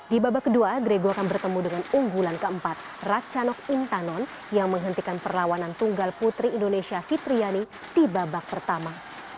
di babak kedua grego akan bertemu dengan unggulan keempat ratchanok intanon yang menghentikan perlawanan tunggal putri indonesia fitriani di babak pertama